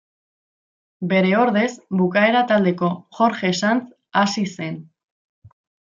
Bere ordez Bukaera taldeko Jorge Sanz hasi zen.